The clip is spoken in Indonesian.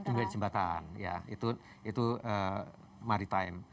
itu menjadi jembatan ya itu maritime